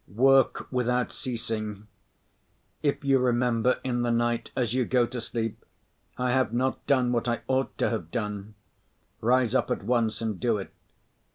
Work without ceasing. If you remember in the night as you go to sleep, "I have not done what I ought to have done," rise up at once and do it.